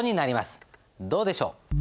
どうでしょう？